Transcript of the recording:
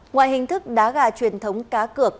ngoài hình thức đá gà truyền thống cá cược